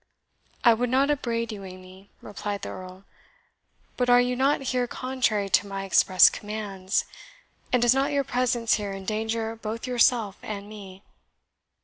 "I would not upbraid you, Amy," replied the Earl; "but are you not here contrary to my express commands and does not your presence here endanger both yourself and me?"